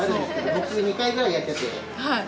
僕２回ぐらいやってて。